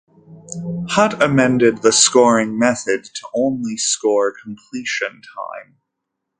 Hutt amended the scoring method to only score completion time.